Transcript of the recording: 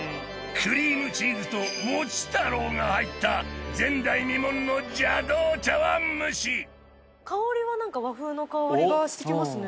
クリームチーズと餅太郎が入った前代未聞の邪道茶碗蒸し香りはなんか和風の香りがしてきますね